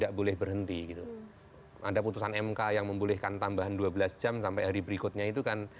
khususnya kepada mbak shalini dan juga